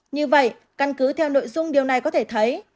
như vậy căn cứ theo nội dung điều này có thể thấy